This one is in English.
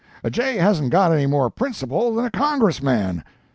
A jay hasn't got any more principle than a Congressman.